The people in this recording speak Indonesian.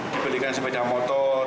diberikan sepeda motor